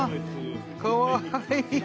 かわいい。